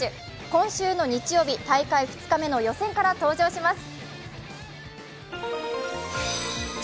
今週の日曜日、大会２日目の予選から登場します。